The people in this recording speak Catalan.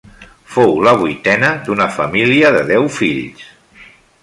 Fou la vuitena d'una família de deu fills.